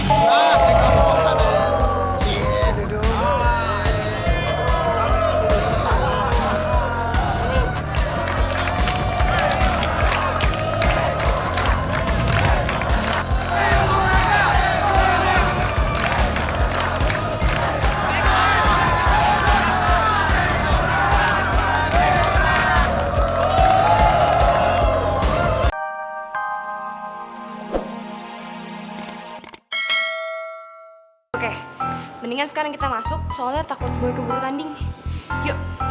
oke mendingan sekarang kita masuk soalnya takut gue keburu tanding yuk